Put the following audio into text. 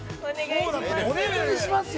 ◆お願いします。